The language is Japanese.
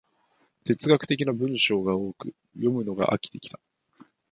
哲学的な文章が多く、読むのが飽きてきた